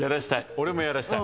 俺もやらしたい。